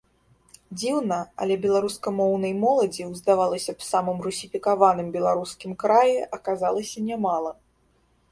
Дзіўна, але беларускамоўнай моладзі ў, здавалася б, самым русіфікаваным беларускім краі аказалася нямала.